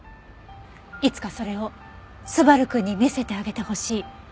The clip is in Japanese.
いつかそれを昴くんに見せてあげてほしい。